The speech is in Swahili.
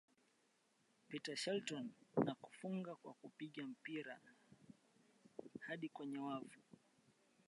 Peter Shilton na kufunga kwa kupiga mpira hadi kwenye wavu